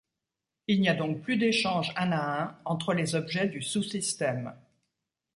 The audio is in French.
Il n'y a donc plus d'échange un à un entre les objets du sous-système.